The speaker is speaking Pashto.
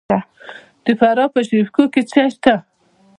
د فراه په شیب کوه کې څه شی شته؟